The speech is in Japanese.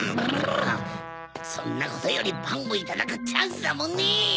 そんなことよりパンをいただくチャンスだもんね！